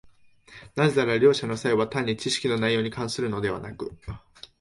なぜなら両者の差異は単に知識の内容に関するのでなく、